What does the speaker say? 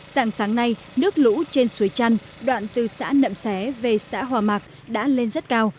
dạng sáng nay nước lũ trên suối chăn đoạn từ xã nậm xé về xã hòa mạc đã lên rất cao